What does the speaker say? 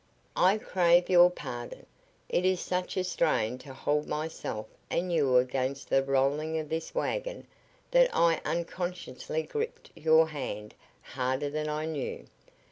"I crave your pardon. It is such a strain to hold myself and you against the rolling of this wagon that I unconsciously gripped your hand harder than I knew.